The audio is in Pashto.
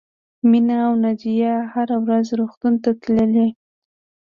مینه او ناجیه هره ورځ روغتون ته تللې